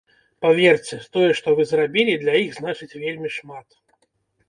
Паверце, тое, што вы зрабілі, для іх значыць вельмі шмат.